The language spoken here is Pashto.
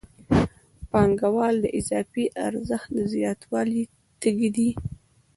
پانګوال د اضافي ارزښت د زیاتوالي تږی دی